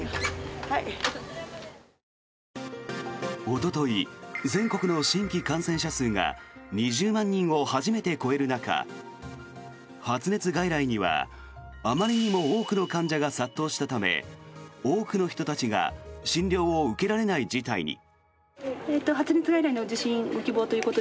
おととい全国の新規感染者数が２０万人を初めて超える中発熱外来にはあまりにも多くの患者が殺到したため多くの人たちが診療を受けられない事態に。